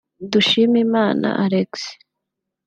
Dushiminana Alexis